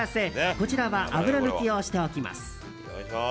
こちらは油抜きをしておきます。